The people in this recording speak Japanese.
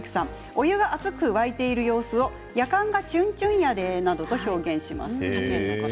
お湯が熱く沸いている様子をやかんがちゅんちゅんやでと表現します。